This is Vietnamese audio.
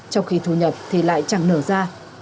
trong khi thu nhập thì lại chẳng nở ra